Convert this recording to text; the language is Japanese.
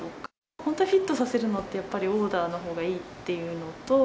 本当にフィットさせるのって、オーダーのほうがいいっていうのと。